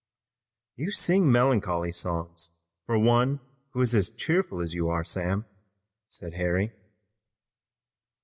"You sing melancholy songs for one who is as cheerful as you are, Sam," said Harry.